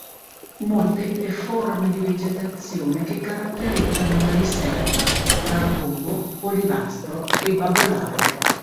Molte le forme di vegetazione che caratterizzano la riserva: carrubo, olivastro e bagolaro.